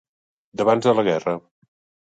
D'abans de la guerra.